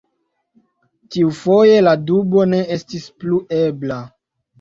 Tiufoje la dubo ne estis plu ebla.